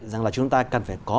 rằng là chúng ta cần phải có